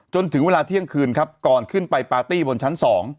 จนถึงเวลาเที่ยงคืนครับก่อนขึ้นไปปาร์ตี้บนชั้น๒